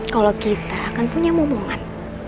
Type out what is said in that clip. kalau kita akan punya momongan